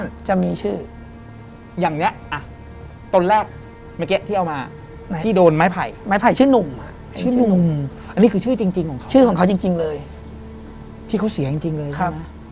นี่คือคุณปู่ทำ